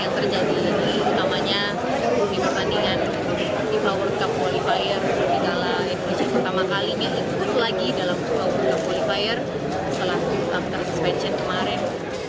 dikala indonesia pertama kalinya ikut lagi dalam world cup qualifier setelah transversal kemarin